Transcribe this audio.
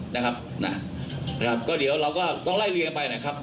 นะครับนะนะครับก็เดี๋ยวเราก็ต้องไล่เรียงไปนะครับ